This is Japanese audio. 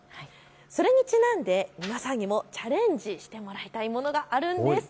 それにちなんで皆さんにもチャレンジしてもらいたいものがあるんです。